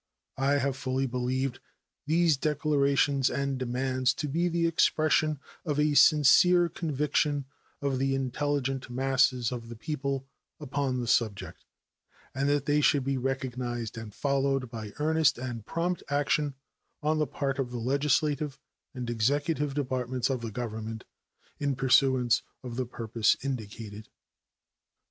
I have fully believed these declarations and demands to be the expression of a sincere conviction of the intelligent masses of the people upon the subject, and that they should be recognized and followed by earnest and prompt action on the part of the legislative and executive departments of the Government, in pursuance of the purpose indicated.